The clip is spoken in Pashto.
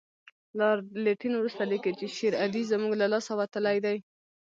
لارډ لیټن وروسته لیکي چې شېر علي زموږ له لاسه وتلی دی.